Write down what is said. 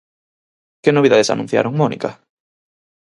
Que novidades anunciaron, Mónica?